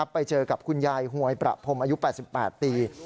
ไปเจอกับคุณยายหวยประพรมอายุ๘๘ปี